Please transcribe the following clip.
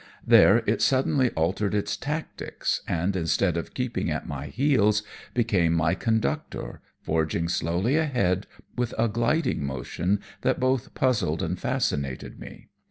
There it suddenly altered its tactics, and instead of keeping at my heels, became my conductor, forging slowly ahead with a gliding motion that both puzzled and fascinated me.